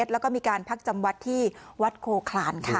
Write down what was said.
แล้วก็มีการพักจำวัดที่วัดโคคลานค่ะ